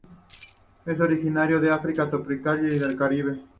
Es originario de África tropical y del Caribe.